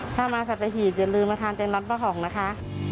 ถ้ามาสัตว์หีบอย่าลืมมาทานเจนร้อนเป้าห่องนะคะ